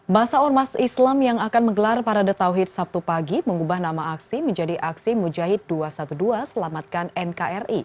masa ormas islam yang akan menggelar parade tauhid sabtu pagi mengubah nama aksi menjadi aksi mujahid dua ratus dua belas selamatkan nkri